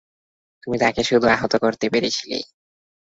তুমি তাকে শুধু আহত করতে পেরেছিলে।